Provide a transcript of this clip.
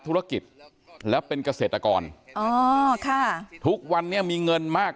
ธุรกิจแล้วเป็นเกษตรกรอ๋อค่ะทุกวันนี้มีเงินมาก